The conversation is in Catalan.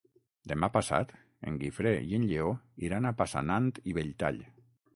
Demà passat en Guifré i en Lleó iran a Passanant i Belltall.